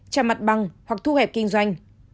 chăm mặt băng hoặc thu hẹp kinh doanh